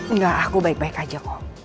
enggak aku baik baik aja kok